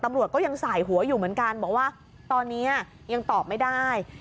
ตำรวจก็ยังสายหัวอยู่เหมือนกันบอกว่าตอนนี้ยังตอบไม่ได้